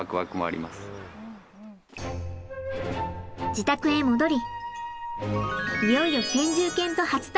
自宅へ戻り